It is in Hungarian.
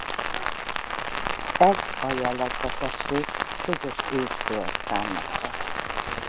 Ez a jellegzetesség közös őstől származhat.